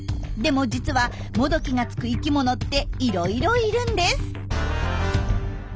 でも実は「モドキ」が付く生きものっていろいろいるんです。